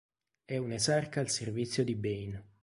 È un esarca al servizio di Bane.